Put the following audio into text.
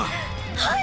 はい！